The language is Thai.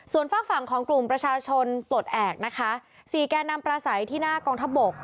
ส่วนฝากฝั่งของกลุ่มประชาชนปลดแอบนะคะสี่แก่นำปลาใสที่หน้ากองทัพบก